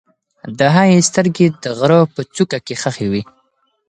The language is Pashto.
د هغې سترګې د غره په څوکه کې خښې وې.